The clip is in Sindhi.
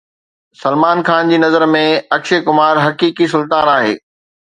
سلمان خان جي نظر ۾ اڪشي ڪمار حقيقي سلطان آهي